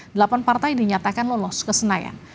delapan partai dinyatakan lolos ke senayan